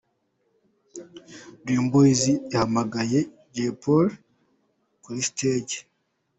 Dream Boyz bahamagaye Jay Polly kuri stage.